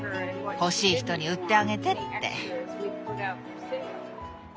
「欲しい人に売ってあげて」って。